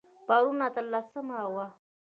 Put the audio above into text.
پرون اتلسمه وه